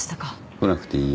来なくていいよ。